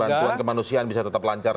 itu tetap terjaga